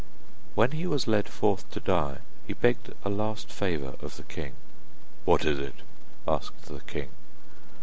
When he was led forth to die, he begged a last favour of the king. 'What is it?' asked the king.